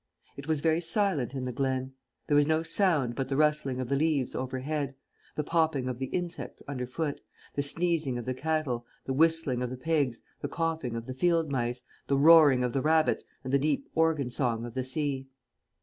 It was very silent in the glen. There was no sound but the rustling of the leaves overhead, the popping of the insects underfoot, the sneezing of the cattle, the whistling of the pigs, the coughing of the field mice, the roaring of the rabbits, and the deep organ song of the sea.